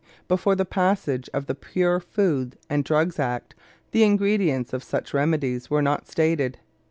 Before the passage of the Pure Food and Drugs Act the ingredients of such remedies were not stated.